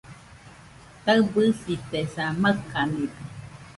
Taɨbɨsitesa , makanide